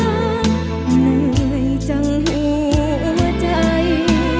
เหนื่อยจังหัวใจ